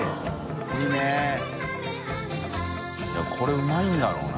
いい諭海うまいんだろうな。